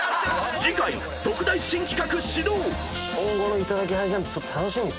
［次回特大新企画始動！］